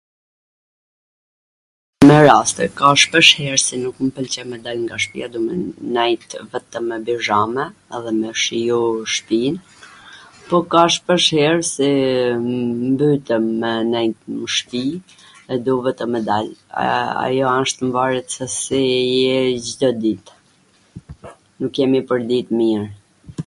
Me raste, ka shpeshher qw nuk mw pwlqen me dal nga shpia, me nejt ktu vetwm me bixhame dhe me shiju shpin, po ka shpeshher si mbytem me nejt m shpi e duhet dhe me dal, ajo asht, mvaret se si je Cdo dit, nuk jemi pwrdit mir.